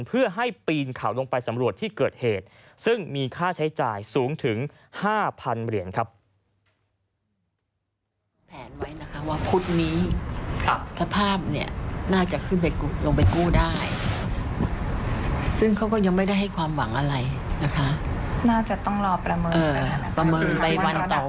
เพื่อให้ปีนเขาลงไปสำรวจที่เกิดเหตุซึ่งมีค่าใช้จ่ายสูงถึง๕๐๐๐เหรียญครับ